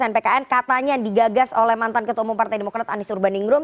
pkn katanya digagas oleh mantan ketua umum partai demokrat anies urbaningrum